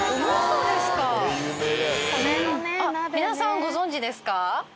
皆さんご存じですか？